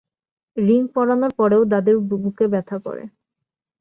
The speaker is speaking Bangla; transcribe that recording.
রিং পরানোর পরেও দাদুর বুকে ব্যথা করে।